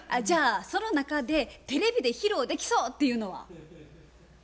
じゃあその中でテレビで披露できそうっていうのは？